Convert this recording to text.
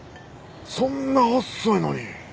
そんな細いのに。